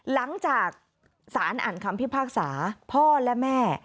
หลังจากสารอ่านคำพิพากษาพ่อและแม่